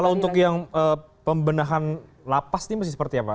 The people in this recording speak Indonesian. kalau untuk yang pembenahan lapas ini masih seperti apa